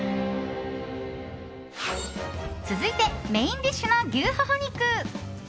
続いてメインディッシュの牛ほほ肉。